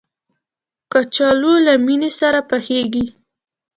کچالو له مېنې سره پخېږي